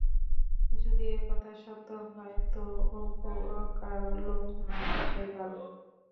যদি এ কথা সত্য হয় তো ও-প্রকার লোক না আসাই ভাল।